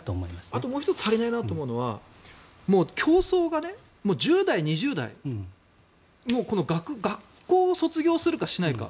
あともう１つ足りないなと思うのは競争が１０代、２０代学校を卒業するかしないか。